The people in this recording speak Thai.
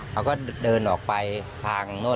เขาก็เดินออกไปทาง